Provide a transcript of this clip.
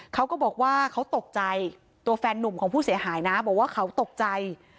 เขาก็บอกว่าเขาตกใจตัวแฟนนุ่มของผู้เสียหายนะบอกว่าเขาตกใจ